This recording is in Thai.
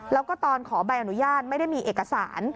แล้วก็ตอนขอใบอนุญาตไม่ได้มีเอกสาร